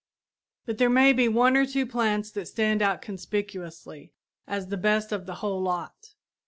But there may be one or two plants that stand out conspicuously as the best of the whole lot.